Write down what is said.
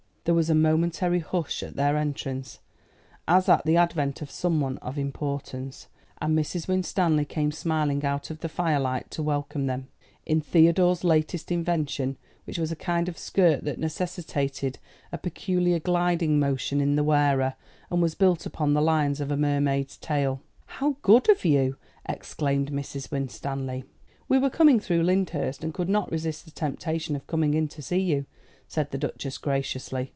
There was a momentary hush at their entrance, as at the advent of someone of importance, and Mrs. Winstanley came smiling out of the firelight to welcome them, in Theodore's last invention, which was a kind of skirt that necessitated a peculiar gliding motion in the wearer, and was built upon the lines of a mermaid's tail. "How good of you!" exclaimed Mrs. Winstanley. "We were coming through Lyndhurst, and could not resist the temptation of coming in to see you," said the Duchess graciously.